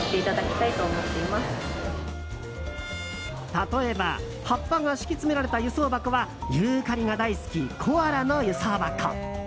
例えば葉っぱが敷き詰められた輸送箱はユーカリが大好きコアラの輸送箱。